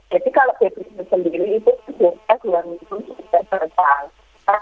jadi kalau depresi sendiri itu juga harus kita perhatikan